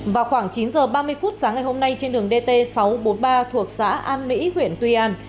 vào khoảng chín h ba mươi phút sáng ngày hôm nay trên đường dt sáu trăm bốn mươi ba thuộc xã an mỹ huyện tuy an